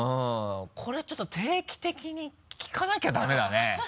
これちょっと定期的に聞かなきゃダメだね。